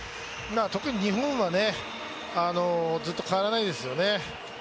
特に日本はずっと変わらないですよね。